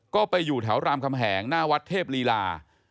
ก็ไปอยู่แถวรามคำแหงหน้าวัดเทพลีลา